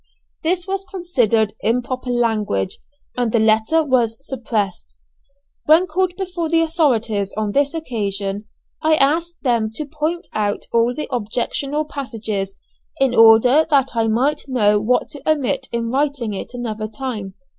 This was considered improper language, and the letter was suppressed. When called before the authorities on this occasion, I asked them to point out all the objectionable passages, in order that I might know what to omit in writing it another time.